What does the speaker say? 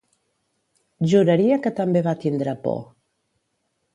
Juraria que també va tindre por.